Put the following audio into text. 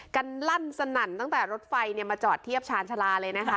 กันลั่นสนั่นตั้งแต่รถไฟมาจอดเทียบชาญชาลาเลยนะคะ